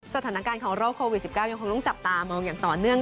สถานการณ์ของโรคโควิด๑๙ยังคงต้องจับตามองอย่างต่อเนื่อง